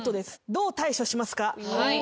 どう対処しますか？